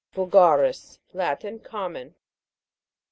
VULGA'RIS. Latin. Common.